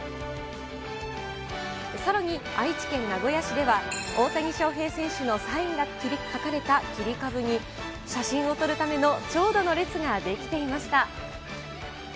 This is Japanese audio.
さらに愛知県名古屋市では、大谷翔平選手のサインが書かれた切り株に、写真を撮るための長蛇の列が出来ていました。